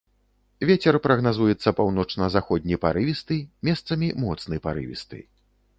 Вецер прагназуецца паўночна-заходні парывісты, месцамі моцны парывісты.